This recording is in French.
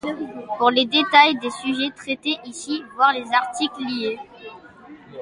Pour les détails des sujets traités ici, voir les articles liés.